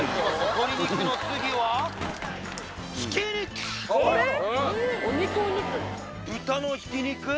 鶏肉の次は豚のひき肉？